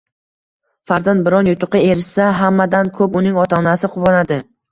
Farzand biron yutuqqa erishsa, hammadan ko‘p uning ota-onasi quvonadi.